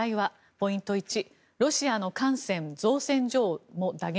ポイント１、ロシアの艦船、造船所も打撃。